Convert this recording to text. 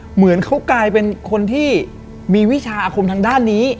เหมือนเขากลายเป็นคนที่มีวิชาอาคมทางด้านนี้